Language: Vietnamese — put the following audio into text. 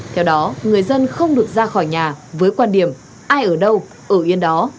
theo đó người dân không được ra khỏi nhà với quan điểm ai ở đâu ở yên đó